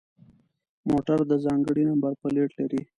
موټر د ځانگړي نمبر پلیت لري.